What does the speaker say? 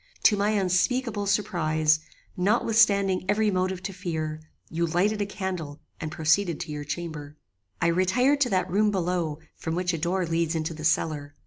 To my unspeakable surprize, notwithstanding every motive to fear, you lighted a candle and proceeded to your chamber. "I retired to that room below from which a door leads into the cellar.